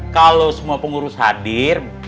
kalau semua pengurus hadir